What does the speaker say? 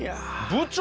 部長！